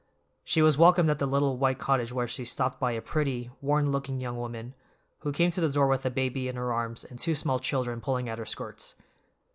She was welcomed at the little white cottage where she stopped by a pretty, worn looking young woman, who came to the door with a baby in her arms and two small children pulling at her skirts.